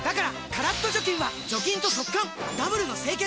カラッと除菌は除菌と速乾ダブルの清潔！